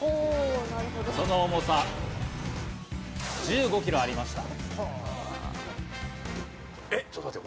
その重さ１５キロありました。